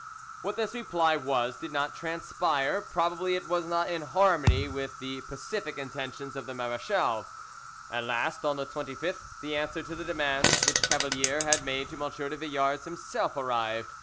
What this reply was did not transpire; probably it was not in harmony with the pacific intentions of the marechal. At last, on the 25th, the answer to the demands which Cavalier had made to M. de Villars himself arrived.